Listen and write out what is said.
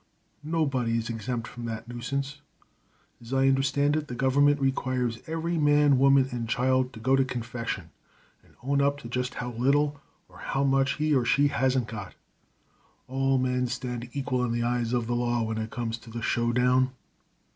Nobody is exempt from that nuisance. As I understand it, the government requires every man, woman, and child to go to confession, and own up to just how little or how much he or she hasn't got. All men stand equal in the eyes of the law when it comes to the show down.